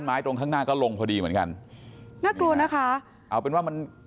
ตรงข้างหน้าก็ลงพอดีเหมือนกันน่ากลัวนะคะเอาเป็นว่ามัน